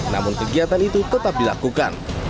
namun kegiatan itu tetap dilakukan